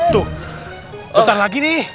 tuh bentar lagi nih